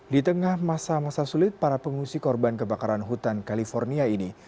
di tengah masa masa sulit para pengungsi korban kebakaran hutan california ini